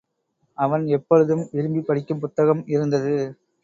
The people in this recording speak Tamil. அவன் எப்பொழுதும் விரும்பிப் படிக்கும் புத்தகம் இருந்தது.